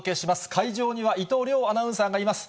会場には伊藤遼アナウンサーがいます。